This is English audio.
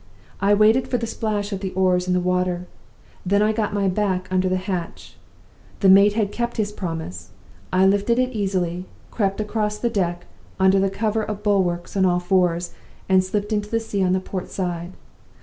I waited for the splash of the oars in the water, and then got my back under the hatch. The mate had kept his promise. I lifted it easily crept across the deck, under cover of the bulwarks, on all fours and slipped into the sea on the port side.